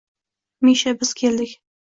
Misha, biz keldik